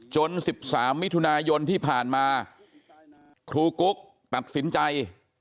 ๑๓มิถุนายนที่ผ่านมาครูกุ๊กตัดสินใจ